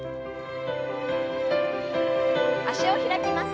脚を開きます。